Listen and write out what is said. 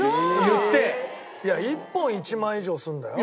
いや１本１万以上するんだよ。